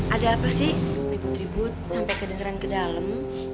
ada apa sih ribut ribut sampai kedengeran ke dalam